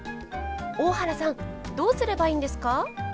大原さんどうすればいいんですか？